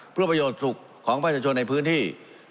เพื่อประโยชน์สุขของประชาชนในพื้นที่